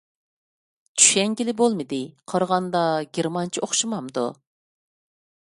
چۈشەنگىلى بولمىدى. قارىغاندا گېرمانچە ئوخشىمامدۇ؟